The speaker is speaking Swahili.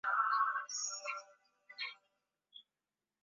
zoezi hili ni zoezi muhimu sana kwa maana kusema kwamba inatusaidia sasa